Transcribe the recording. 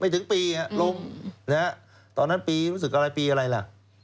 ถึงปีลงตอนนั้นปีรู้สึกอะไรปีอะไรล่ะ